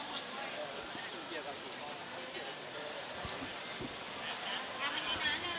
ไม่ไม่ได้เปลี่ยนสเปกใช่